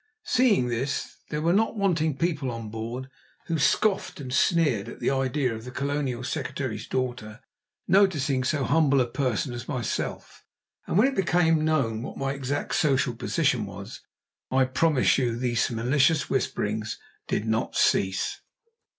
Seeing this, there were not wanting people on board who scoffed and sneered at the idea of the Colonial Secretary's daughter noticing so humble a person as myself, and when it became known what my exact social position was, I promise you these malicious whisperings did not cease.